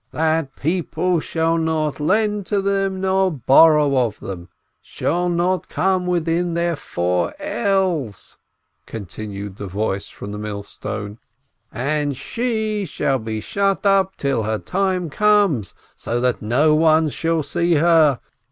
"That people shall not lend to them nor borrow of them, shall not come within their four ells !" continued the voice from the millstone. "And she shall be shut up till her time comes, so that no one shall see her.